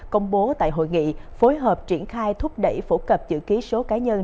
công bố tại hội nghị phối hợp triển khai thúc đẩy phổ cập chữ ký số cá nhân